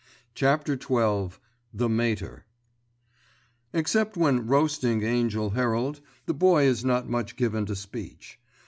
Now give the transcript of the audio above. *CHAPTER XII* *THE MATER* Except when "roasting" Angell Herald, the Boy is not much given to speech.